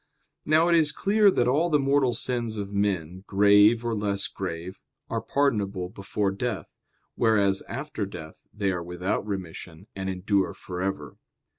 Now it is clear that all the mortal sins of men, grave or less grave, are pardonable before death; whereas after death they are without remission and endure for ever.